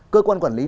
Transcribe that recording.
cơ quan quản lý